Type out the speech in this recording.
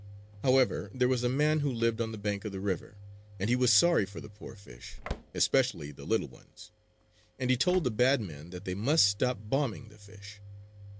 However, there was a man who lived on the bank of the river; and he was sorry for the poor fish, especially the little ones; and he told the bad men that they must stop bombing the fish.